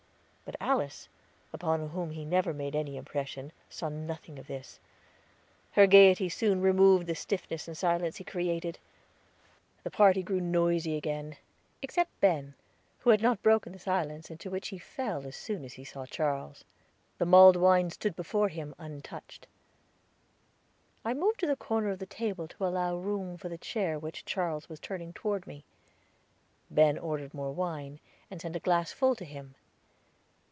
But Alice, upon whom he never made any impression, saw nothing of this; her gayety soon removed the stiffness and silence he created. The party grew noisy again, except Ben, who had not broken the silence into which he fell as soon as he saw Charles. The mulled wine stood before him untouched. I moved to the corner of the table to allow room for the chair which Charles was turning toward me. Ben ordered more wine, and sent a glass full to him.